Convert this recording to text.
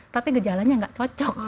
tapi gejalanya nggak cocok